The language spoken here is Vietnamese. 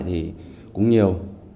thì cũng nhiều